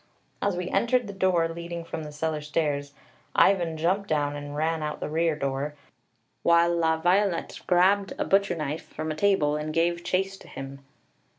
As we entered the door leading from the cellar stairs Ivan jumped down and ran out the rear door, while La Violette grabbed up a butcher knife from a table and gave chase to him.